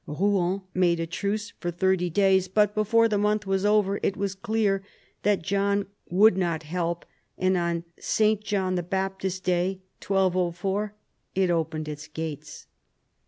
Rouen made a truce for thirty days, but before the month was over it was clear that John would not help, and on S. John Baptist's Day 1 204 it opened its gates.